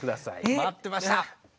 待ってました！